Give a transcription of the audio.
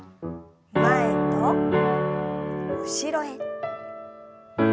前と後ろへ。